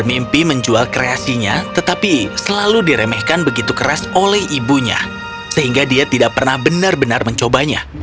mimpi menjual kreasinya tetapi selalu diremehkan begitu keras oleh ibunya sehingga dia tidak pernah benar benar mencobanya